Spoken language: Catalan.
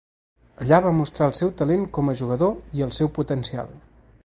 Allà va mostrar el seu talent com a jugador i el seu potencial.